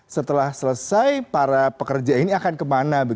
setelah selesai para pekerja ini akan kemana